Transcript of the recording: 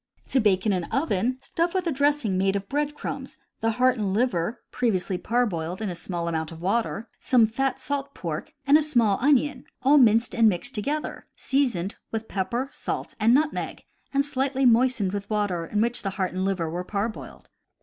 To bake in an oven: stuff with a dressing made of bread crumbs, the heart and liver (previously parboiled 144 CAMPING AND WOODCRAFT in a small amount of water), some fat salt pork, and a small onion, all minced and mixed together, seasoned with pepper, salt, and nutmeg, and slightly moistened with the water in which heart and liver were parboiled.